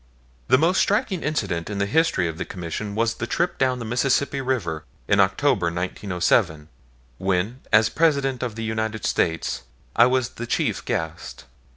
The most striking incident in the history of the Commission was the trip down the Mississippi River in October, 1907, when, as President of the United States, I was the chief guest.